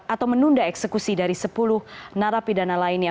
atau menunda eksekusi dari sepuluh narapidana lainnya